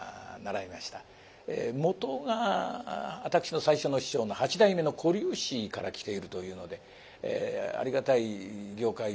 もとが私の最初の師匠の八代目の小柳枝から来ているというのでありがたい業界でございます。